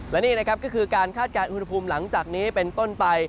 และนี่นะครับก็คือการคาดการณ์อุณหภูมิหลังจากนี้เป็นต้นไป